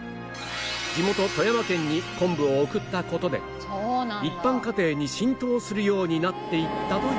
地元富山県に昆布を送った事で一般家庭に浸透するようになっていったという